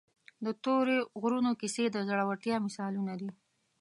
د تورې غرونو کیسې د زړورتیا مثالونه دي.